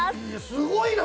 すごいな！